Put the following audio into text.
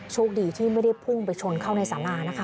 โชคดีที่ไม่ได้พุ่งไปชนเข้าในสารานะคะ